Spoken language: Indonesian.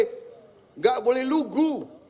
tidak boleh lugu